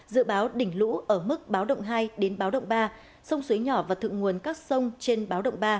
dự báo đỉnh lũ ở mức báo động hai đến báo động ba sông suối nhỏ và thượng nguồn các sông trên báo động ba